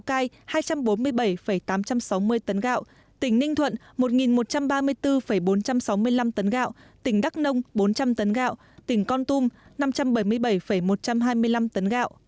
lào cai hai trăm bốn mươi bảy tám trăm sáu mươi tấn gạo tỉnh ninh thuận một một trăm ba mươi bốn bốn trăm sáu mươi năm tấn gạo tỉnh đắk nông bốn trăm linh tấn gạo tỉnh con tum năm trăm bảy mươi bảy một trăm hai mươi năm tấn gạo